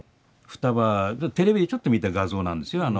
双葉テレビでちょっと見た画像なんですよ。